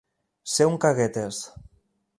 Ser un caguetes.